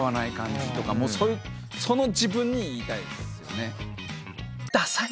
その自分に言いたいですよね。